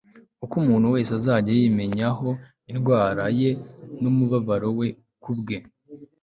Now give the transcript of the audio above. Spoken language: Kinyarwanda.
uko umuntu wese azajya yimenyaho indwara ye n'umubabaro we ku bwe